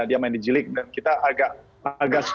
dia main di g league dan kita agak